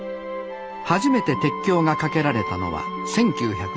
初めて鉄橋が架けられたのは１９１２年。